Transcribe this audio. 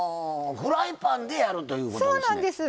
フライパンでやるということなんですね。